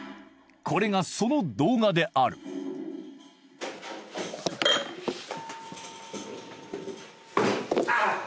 これがその動画であるああっ！